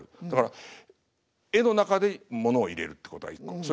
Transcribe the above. だから絵の中でものを入れるってことが１個。